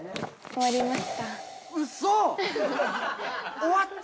終わりました。